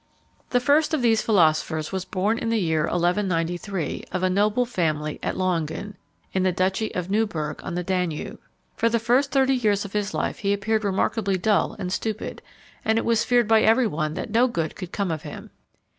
The first of these philosophers was born in the year 1193, of a noble family at Lawingen, in the Duchy of Neuburg, on the Danube. For the first thirty years of his life he appeared remarkably dull and stupid, and it was feared by every one that no good could come of him.